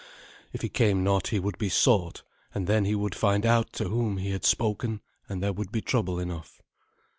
If he came not he would be sought; and then he would find out to whom he had spoken, and there would be trouble enough.